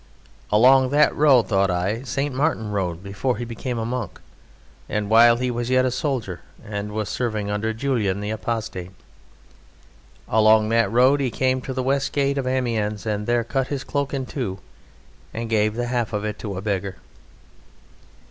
"Along that road," thought I, "St. Martin rode before he became a monk, and while he was yet a soldier and was serving under Julian the Apostate. Along that road he came to the west gate of Amiens and there cut his cloak in two and gave the half of it to a beggar."